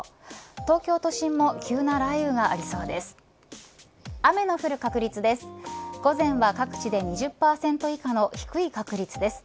東京都心も急な雷雨がありそうです。